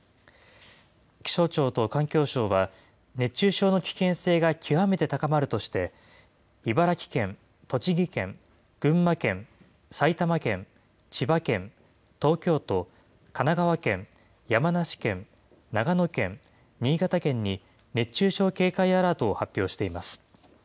気象庁と環境省は、熱中症の危険性が極めて高まるとして、茨城県、栃木県、群馬県、埼玉県、千葉県、東京都、神奈川県、山梨県、長野県、新潟県に熱中症警戒アラートを発表しています。